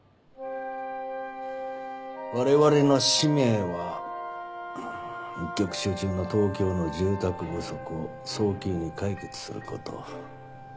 我々の使命は一極集中の東京の住宅不足を早急に解決する事。